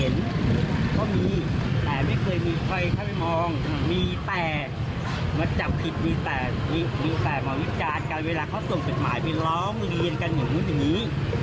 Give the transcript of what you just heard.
ลองรินเพียงกินอยู่อยู่ตรงนี้